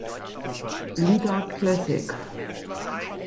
Liga Classic.